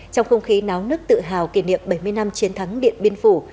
trong không khí náo nước tự hào kỷ niệm bảy mươi năm chiến thắng điện biên phủ